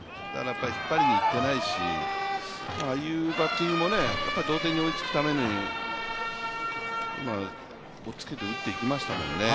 引っ張りにいってないしああいうバッティングも同点に追いつくために押っつけて打っていきましたね。